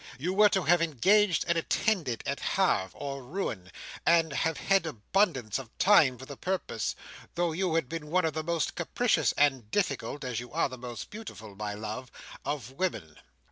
You were to have engaged an attendant at Havre or Rouen, and have had abundance of time for the purpose, though you had been the most capricious and difficult (as you are the most beautiful, my love) of women."